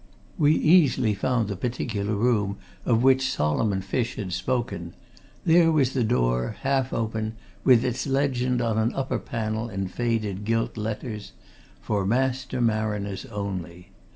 We easily found the particular room of which Solomon Fish had spoken there was the door, half open, with its legend on an upper panel in faded gilt letters, "For Master Mariners Only."